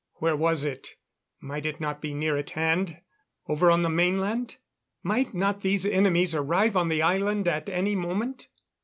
Where was it? Might it not be near at hand over on the mainland? Might not these enemies arrive on the island at any moment?